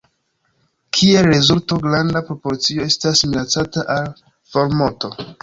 Kiel rezulto, granda proporcio estas minacata al formorto.